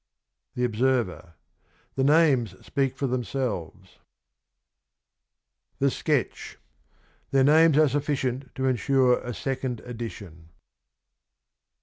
THE OBSERVER. The names speak for themselves. THE SKETCH. Their names are sufficient to ensure a second edition.